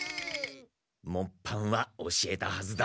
もっぱんは教えたはずだ。